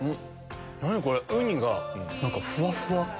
何これ⁉ウニがふわふわ。